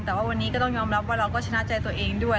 แต่ว่าวันนี้ก็ต้องยอมรับว่าเราก็ชนะใจตัวเองด้วย